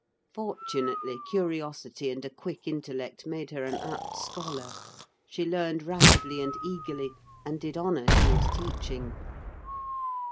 Fortunately, curiosity and a quick intellect made her an apt scholar: she learned rapidly and eagerly, and did honour to his teaching.